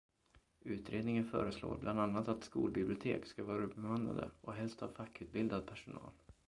Utredningen föreslår bland annat att skolbibliotek ska vara bemannade och helst av fackutbildad personal.